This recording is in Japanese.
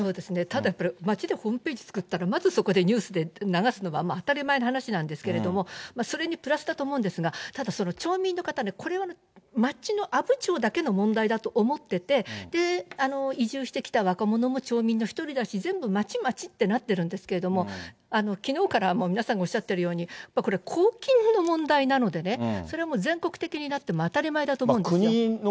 ただ、町でホームページ作ったら、まずそこでニュースで流すのは当たり前の話なんですけれども、それにプラスだと思うんですが、ただ、その町民の方ね、これは町の、阿武町だけの問題だと思ってて、移住してきた若者も町民の一人だし、全部、町、町ってなってるんですけど、きのうからも皆さんがおっしゃっているように、これ、公金の問題なのでね、それはもう全国的になっても当たり前だと思うんですよね。